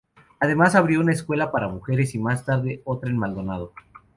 Además abrió una escuela para mujeres, y más tarde otra en Maldonado.